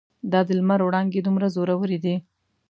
دا د لمر وړانګې دومره زورورې دي.